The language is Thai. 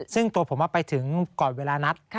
ซึ่งตัวผมไปถึงก่อนเวลานัด